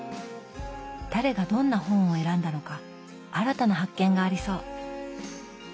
誰がどんな本を選んだのか新たな発見がありそう！